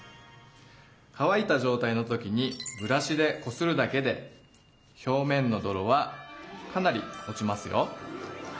乾いたじょうたいの時にブラシでこするだけで表面のどろはかなり落ちますよ。